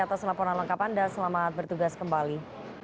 atas laporan lengkap anda selamat bertugas kembali